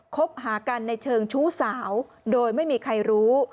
คบหากันในเชิงชู้สาวโดยไม่มีใครรู้